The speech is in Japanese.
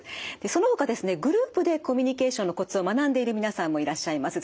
そのほかですねグループでコミュニケーションのコツを学んでいる皆さんもいらっしゃいます。